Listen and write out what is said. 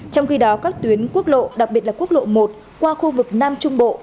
trong khi đó các tuyến quốc lộ đặc biệt là quốc lộ một qua khu vực nam trung bộ